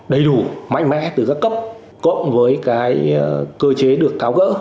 đầy đủ mạnh mẽ từ các cấp cộng với cái cơ chế được tháo gỡ